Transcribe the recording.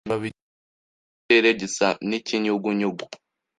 Ikibabi kiguruka mu kirere gisa n'ikinyugunyugu.